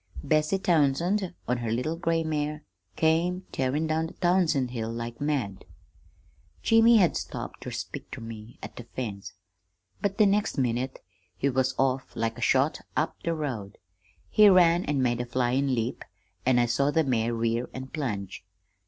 Bessie Townsend, on her little gray mare, came tearin' down the Townsend Hill like mad. "Jimmy had stopped ter speak ter me, at the fence, but the next minute he was off like a shot up the road. He ran an' made a flyin' leap, an' I saw the mare rear and plunge.